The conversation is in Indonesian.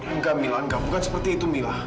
enggak mila enggak bukan seperti itu mila